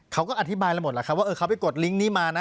เขาก็อธิบายแล้วหมดแหละครับว่าเขาไปกดลิงก์นี้มานะ